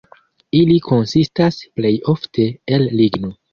Ili konsistas plej ofte el ligno.